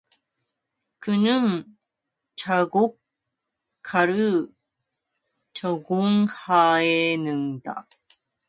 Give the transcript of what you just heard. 그는 작곡과를 전공하였는데